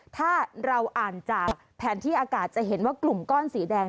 ถ้าเราอ่านจากแผนที่อากาศจะเห็นว่ากลุ่มก้อนสีแดง